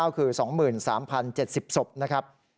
คือ๒๓๐๗๐ศพนะครับ